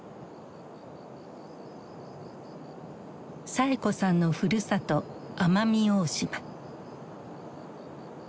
サエ子さんのふるさと奄美大島。